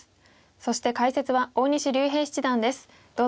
そして解説は大西竜平七段です。